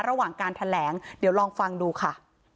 ระหว่างการแถลงเดี๋ยวลองฟังดูค่ะ